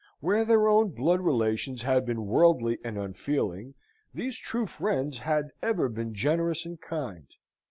Where their own blood relations had been worldly and unfeeling, these true friends had ever been generous and kind.